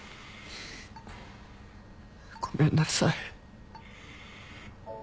ごめんなさい。